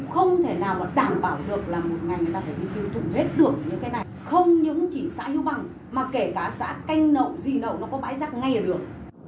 không những chỉ xã hữu bằng mà kể cả xã canh nậu dì nậu nó có bãi rác ngay là được